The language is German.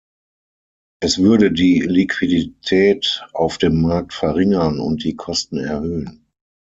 Es würde die Liquidität auf dem Markt verringern und die Kosten erhöhen.